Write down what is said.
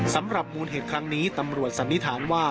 สำหรับมูลเหตุครั้งนี้ตำรวจสันนิษฐานว่า